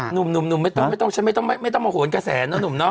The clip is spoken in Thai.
หนุ่มฉันไม่ต้องมาโหวนกับแสหนุ่ม